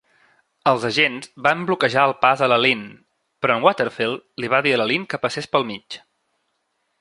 Els agents van bloquejar el pas a la Lynn, però em Waterfield li va dir a la Lynn que passés pel mig.